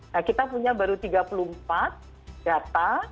nah kita punya baru tiga puluh empat data